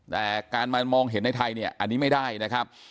แต่การมามองเห็นในไทยเนี่ยอันนี้ไม่ได้นะครับ